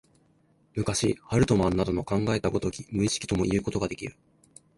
昔、ハルトマンなどの考えた如き無意識ともいうことができる。